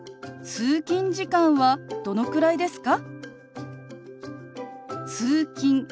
通勤時間はどのくらいですか？